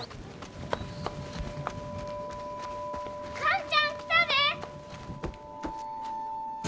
寛ちゃん来たで！